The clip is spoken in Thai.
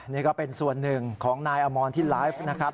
นี่ก็เป็นส่วนหนึ่งของนายอมรที่ไลฟ์นะครับ